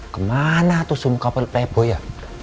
ke mana tuh semua kapal playboy ya